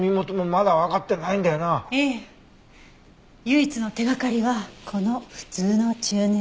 唯一の手がかりはこの「普通の中年」。